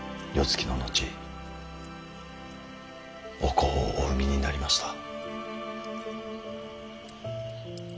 つきの後お子をお産みになりました。